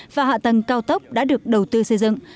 và hạ tầng cao tốc đã được đầu tư xây dựng